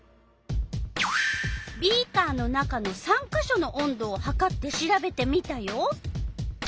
ビーカーの中の３か所の温度をはかってしらべてみたよ。